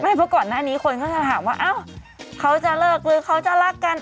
เพราะก่อนหน้านี้คนก็จะถามว่าอ้าวเขาจะเลิกหรือเขาจะรักกัน